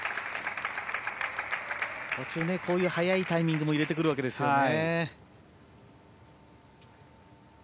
途中、こういう速いタイミングも入れてくるわけですよね。